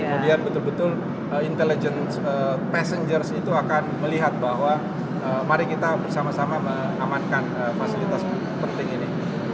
kemudian betul betul intelligence passengers itu akan melihat bahwa mari kita bersama sama mengamankan fasilitas penting ini